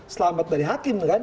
selamat dari hakim kan